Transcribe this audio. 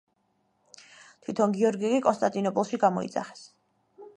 თვითონ გიორგი კი კონსტანტინოპოლში გამოიძახეს.